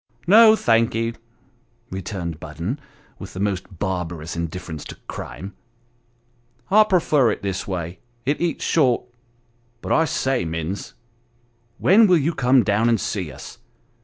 " No, thank ye," returned Budden, with the most barbarous indif ference to crime, " I prefer it this way, it eats short But I say, Minns, when will you come down and see us?